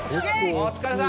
お疲れさん。